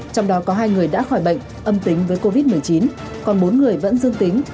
trong đó có hai người đã khỏi bệnh âm tính với covid một mươi chín còn bốn người vẫn dương tính